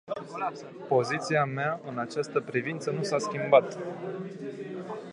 Poziția mea în această privință nu s-a schimbat.